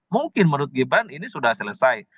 mungkin menurut gibran ini sudah selesai